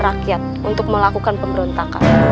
rakyat untuk melakukan pemberontakan